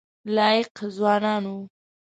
لایق ځوانان وو.